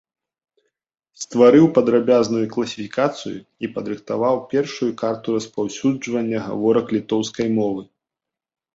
Стварыў падрабязную класіфікацыю і падрыхтаваў першую карту распаўсюджвання гаворак літоўскай мовы.